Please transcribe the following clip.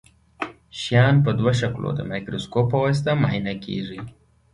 شیان په دوه شکلو د مایکروسکوپ په واسطه معاینه کیږي.